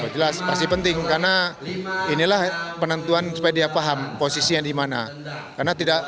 jelas pasti penting karena inilah penentuan supaya dia paham posisinya dimana karena tidak